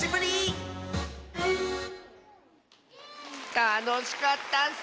たのしかったッス！